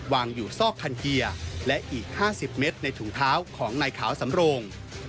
วางอยู่ซอกคันเกียร์และอีก๕๐เมตรในถุงเท้าของนายขาวสำโรง